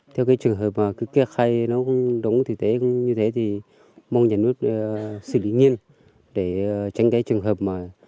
theo trường hợp mà kề khai nó không đúng thì thế thì mong nhà nước xử lý nhiên để tránh trường hợp mà